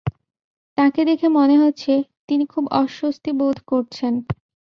তাঁকে দেখে মনে হচ্ছে, তিনি খুব অস্বস্তি বোধ করছেন।